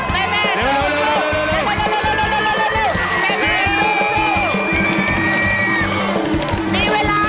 แม่แม่สู้สู้